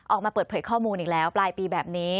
ออกมาเปิดเผยข้อมูลอีกแล้วปลายปีแบบนี้